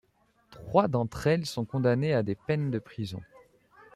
Trois d'entre elles sont condamnées à des peines de prison.